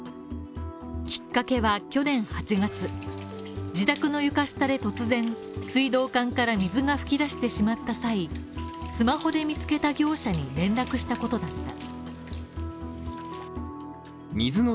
きっかけは去年８月、自宅の床下で突然、水道管から水が噴き出してしまった際スマホで見つけた業者に連絡したことだった。